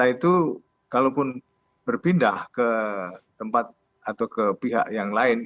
itu kalaupun berpindah ke tempat atau ke pihak yang lain